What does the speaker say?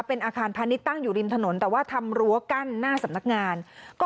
เป็นอาคารพาณิชย์ตั้งอยู่ริมถนนแต่ว่าทำรั้วกั้นหน้าสำนักงานก็